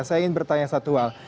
saya ingin bertanya satu hal